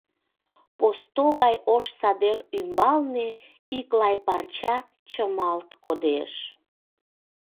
Посто гай ош садер ӱмбалне Ик лай парча чымалт кодеш.